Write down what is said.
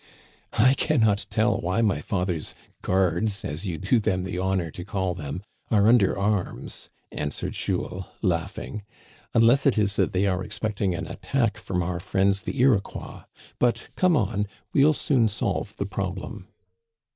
" I can not tell why my father's guards, as you do them the honor to call them, are under arms," answered Jules, laughing, " unless it is that they are expecting an attack from our friends the Iroquois. But, come on, we'll soon solve the problem."